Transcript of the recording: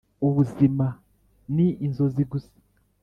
ubuzima ni inzozi gusa!